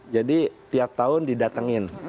jadi tiap tahun didatengin